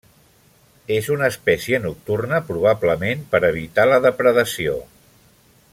És una espècie nocturna, probablement per evitar la depredació.